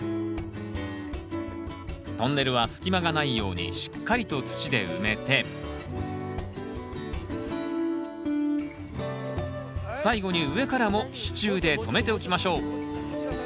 トンネルは隙間がないようにしっかりと土で埋めて最後に上からも支柱で留めておきましょう